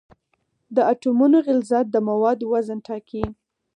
د اټومونو غلظت د موادو وزن ټاکي.